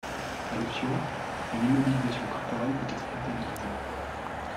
A l'option, une immobilisation corporelle peut être comptabilisée.